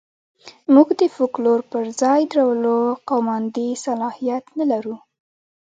موږ د فوکلور پر ځای درولو قوماندې صلاحیت نه لرو.